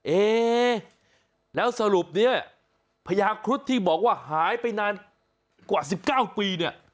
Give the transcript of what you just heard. เอ๊แล้วสรุปเนี่ยพญาครุฑที่บอกว่าหายไปนานกว่า๑๙ปีเนี่ย